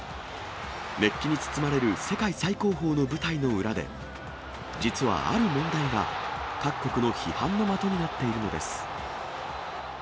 熱気に包まれる世界最高峰の舞台の裏で、実はある問題が各国の批判の的になっているのです。